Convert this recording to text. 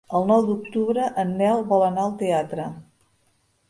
El nou d'octubre en Nel vol anar al teatre.